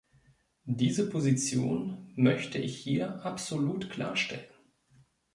Diese Position möchte ich hier absolut klarstellen.